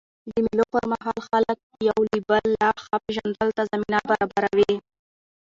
د مېلو پر مهال خلک د یو بل لا ښه پېژندلو ته زمینه برابروي.